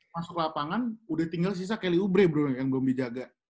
masuk lapangan udah tinggal sisa kelly oubre bro yang gue mau jaga